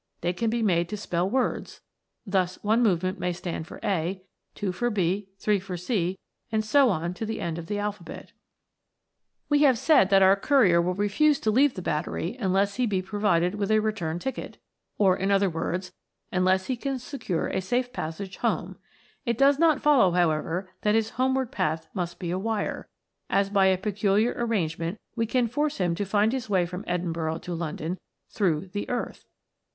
They can be made to spell words ; thus, one movement may stand for a ; two for b ; three for c, and so on to the end of the al phabet. We have said that our courier will refuse to leave the battery unless he be provided with a return ticket, or in other words, unless he can secure a safe passage home ; it does not follow, however, that his homeward path must be a wire, as by a peculiar arrangement we can force him to find his way from Edinburgh to London through the earth.